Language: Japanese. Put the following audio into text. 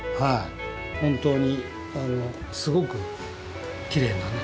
本当にすごくきれいなね